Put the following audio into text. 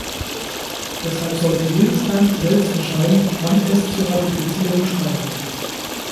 Deshalb sollte jedes Land selbst entscheiden, wann es zur Ratifizierung schreitet.